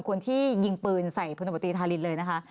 คนที่ยิงปืนใส่พลตมตรีธารินเลยนะคะ